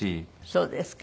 そうですか。